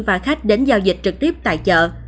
và khách đến giao dịch trực tiếp tại chợ